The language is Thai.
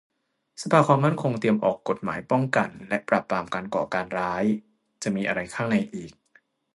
สภาความมั่นคงเตรียมออกกฎหมายป้องกันและปราบปรามการก่อการร้าย - จะมีอะไรข้างในอีก